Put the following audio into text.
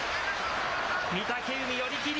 御嶽海、寄り切り。